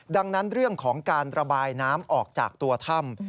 ดังนั้นเรื่องของการระบายน้ำออกจากตัวถ้ำ